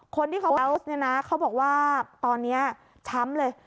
คนที่เขาโพสต์บอกว่าตอนนี้ช้ำเลย